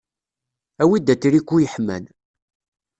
Awi-d atriku yeḥman.